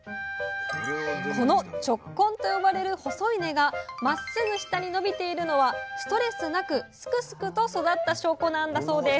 この直根と呼ばれる細い根がまっすぐ下に伸びているのはストレスなくスクスクと育った証拠なんだそうです。